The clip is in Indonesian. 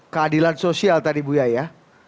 keadilan sosial tadi bu yaya ya